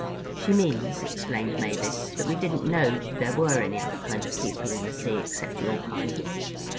"She means," explained Mavis, "that we didn't know there were any other kind of people in the sea except your kind."